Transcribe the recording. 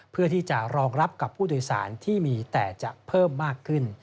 เพื่อที่จะรองรับกับผู้โดยสารที่มีแต่จะเพิ่มมากขึ้น